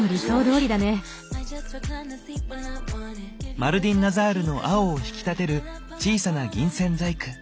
マルディンナザールの青を引き立てる小さな銀線細工。